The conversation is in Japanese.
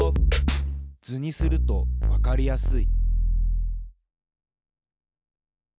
図にするとわかりやすい。